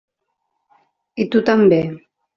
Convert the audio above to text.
I tu també.